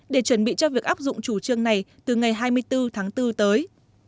để chuẩn bị cho việc áp dụng chủ trương này từ ngày hai mươi bốn tháng bốn tới